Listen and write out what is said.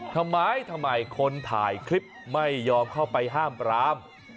ทำไมทำไมคนถ่ายคลิปไม่ยอมเข้าไปห้ามปราม